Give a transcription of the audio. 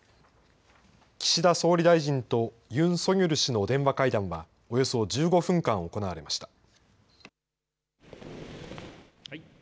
岸田総理大臣とユン・ソギョル氏の電話会談は、およそ１５分間行われました。